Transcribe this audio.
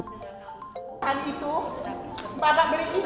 pada saat itu pak pak beri izin